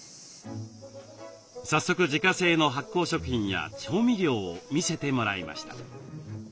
早速自家製の発酵食品や調味料を見せてもらいました。